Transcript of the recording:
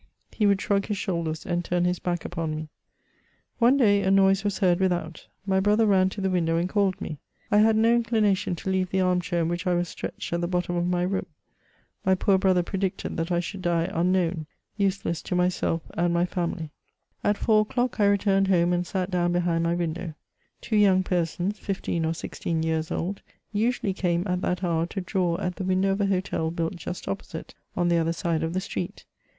He would shrug his shoulders, and turn his back upon me. One day, a noise was heard without ; my brother ran to the window and called me. I had no inclination to leave the arm chair in which I was stretched at the bottom of my room. My poor brother predicted that I should die un known — ^useless to myself and my family. At four o'clock I returned home, and sat down behind my window. Two young persons, fifteen or sixteen years old, usually came at that hour to draw at the window of a hotel built just opposite, on the other side of the street.